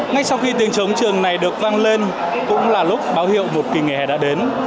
ngay sau khi tiếng trống trường này được văng lên cũng là lúc báo hiệu một kỳ nghề hè đã đến